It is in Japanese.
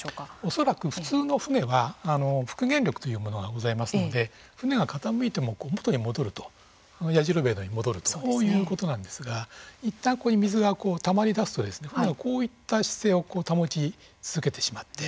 恐らく普通の船は復原力というものがございますので船が傾いても元に戻るとやじろべえのように戻るとそういうことなんですがいったん、ここに水がたまりだすとこういった姿勢を保ち続けてしまって